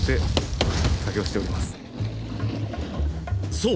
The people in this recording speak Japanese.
［そう。